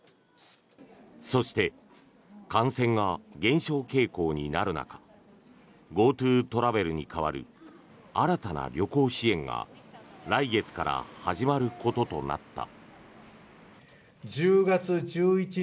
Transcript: そして感染が減少傾向になる中ＧｏＴｏトラベルに代わる新たな旅行支援が来月から始まることとなった。